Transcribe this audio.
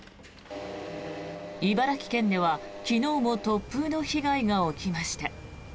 茨城県では昨日も突風の被害が起きました。